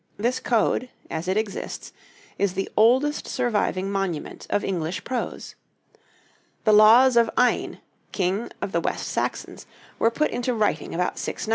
This code, as it exists, is the oldest surviving monument of English prose. The laws of Ine, King of the West Saxons, were put into writing about 690.